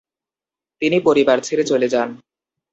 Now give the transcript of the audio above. তিনি পরিবার ছেড়ে চলে যান।